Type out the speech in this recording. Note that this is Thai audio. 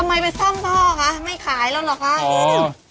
ทำไมไปซ่ำพ่อคะไม่ขายแล้วหรอกคะ